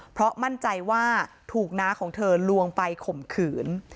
เพราะมั่นใจว่าถูกน้าของเธอลวงไปข่มขืน